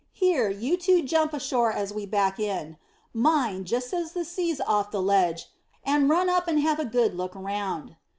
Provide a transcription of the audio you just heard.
Here, you two jump ashore as we back in. Mind, just as the sea's off the ledge; and run up and have a good look round."